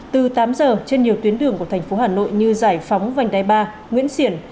từ tám giờ trên nhiều tuyến đường của thành phố hà nội như giải phóng vành đai ba nguyễn xiển